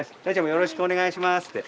「よろしくお願いします」って。